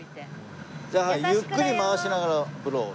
じゃあはいゆっくり回しながらブロー。